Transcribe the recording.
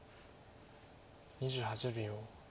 ２８秒。